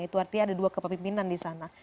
itu artinya ada dua kepemimpinan di sana